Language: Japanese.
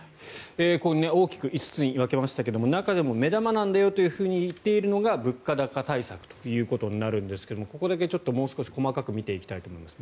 大きく５つに分けましたが中でも目玉なんだよと言っているのが物価高対策ということになるんですがここだけもう少し細かく見ていきたいと思います。